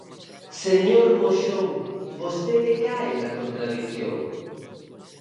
Señor Moxón, vostede cae na contradición.